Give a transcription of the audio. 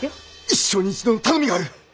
一生に一度の頼みがある！